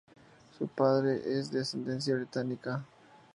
Su padre es de ascendencia británica.